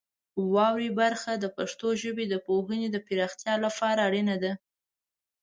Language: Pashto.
واورئ برخه د پښتو ژبې د پوهې د پراختیا لپاره اړینه ده.